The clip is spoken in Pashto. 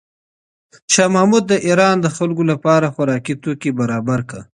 شاه محمود د ایران د خلکو لپاره خوراکي توکي برابر کړل.